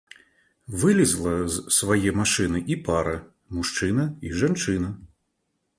Вылезла з свае машыны і пара, мужчына і жанчына.